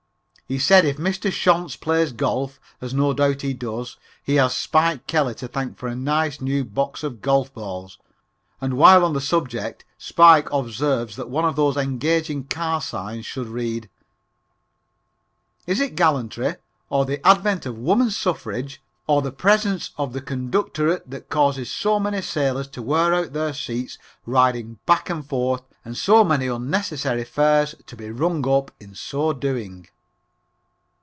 He said if Mr. Shonts plays golf, as no doubt he does, he has "Spike" Kelly to thank for a nice, new box of golf balls. And while on the subject, "Spike" observes that one of those engaging car signs should read: "Is it Gallantry, or the Advent of Woman Suffrage, or the Presence of the Conductorette that Causes So Many Sailors to Wear Out Their Seats Riding Back and Forth, and So Many Unnecessary Fares to Be Rung Up in So Doing?"